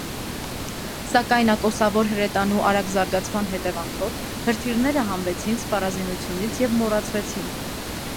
Սակայն ակոսավոր հրետանու արագ զարգացման հետևանքով հրթիռները հանվեցին սպառազինությունից և մոռացվեցին։